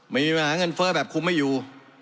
ไม่มีมหาเงินเฟ้อแบบคุมให้อยู่